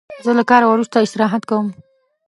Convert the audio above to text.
زه له کاره وروسته استراحت کوم.